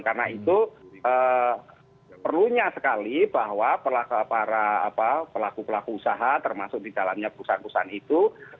karena itu perlunya sekali bahwa pelaku pelaku usaha termasuk di dalamnya perusahaan perusahaan itu